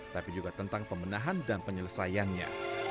tapi juga tentang pemenahan dan penyelesaiannya